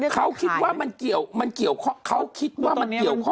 เขาคิดว่ามันเกี่ยวข้องกันหมด